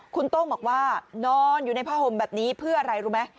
คุณโต้งบอกว่านอนอยู่ในผ้าห่มแบบนี้เพื่ออะไรรู้ไหม